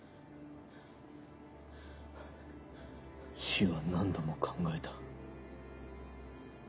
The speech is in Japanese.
死は何度も考えた。